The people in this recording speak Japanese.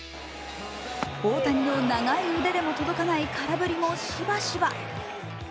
大谷の長い腕でも届かない空振りもしばしば。